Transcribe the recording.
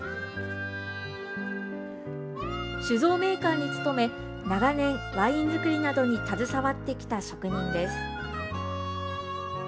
酒造メーカーに勤め長年、ワイン造りなどに携わってきた職人です。